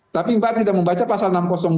tapi mbak tidak membaca pasal enam ratus dua